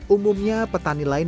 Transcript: umumnya petani lain